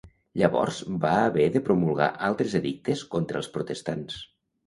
Llavors va haver de promulgar altres edictes contra els Protestants.